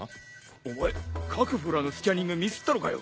お前各フロアのスキャニングミスったのかよ。